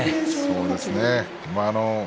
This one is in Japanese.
そうですね。